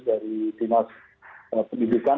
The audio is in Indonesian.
dari timus pendidikan